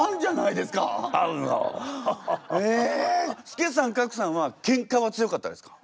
助さん格さんはケンカは強かったですか？